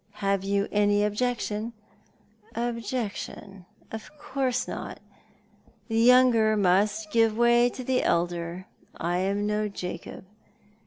Have you any objection ?""• Objection ! Of course not. The younger must give way to the elder. I am no Jacob."